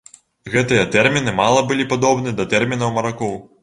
Гэтыя тэрміны мала былі падобны да тэрмінаў маракоў.